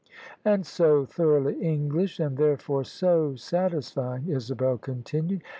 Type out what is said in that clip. " And so thoroughly English, and therefore so satisfying," Isabel continued.